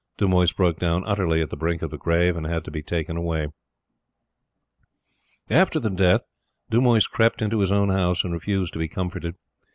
Dumoise broke down utterly at the brink of the grave, and had to be taken away. After the death, Dumoise crept into his own house and refused to be comforted.